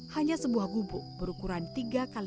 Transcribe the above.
hanya sebuah gubuk berukuran tiga kali lebih besar dari rumah mereka